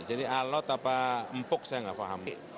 jadi alat atau empuk saya tidak paham